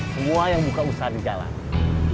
semua yang buka usaha di jalan